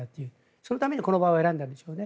そのためにこの場を選んだんですね。